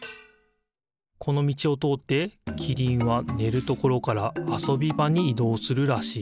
このみちをとおってキリンはねるところからあそびばにいどうするらしい。